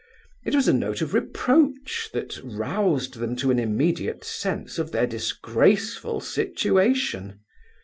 It was a note of reproach that roused them to an immediate sense of their disgraceful situation.